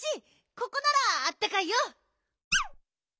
ここならあったかいよ。